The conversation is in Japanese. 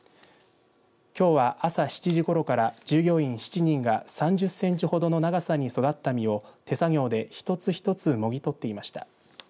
きょうは朝７時ごろから従業員７人が３０センチほどの長さに育った実を手作業で一つ一つもぎとっていました。